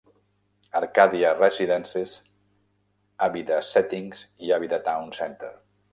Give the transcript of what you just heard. Arcadia Residences, Avida Settings i Avida Town Center.